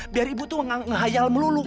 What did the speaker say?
biar ibu tuh ngehayal melulu